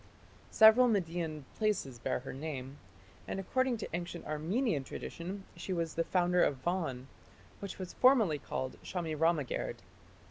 Several Median places bear her name, and according to ancient Armenian tradition she was the founder of Van, which was formerly called "Shamiramagerd".